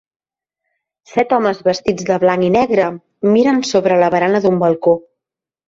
Set homes vestits de blanc i negre miren sobre la barana d'un balcó.